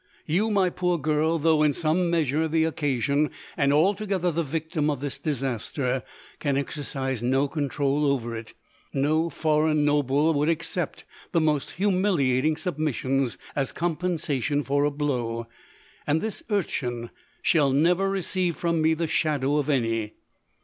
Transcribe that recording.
You, my poor girl, though in some measure the occasion, and alto gether the victim, of this disaster, can exer cise no controul over it. No foreign noble would accept the most humiliating submissions as compensation for a blow, and this urchin shall never receive from me the shadow of any.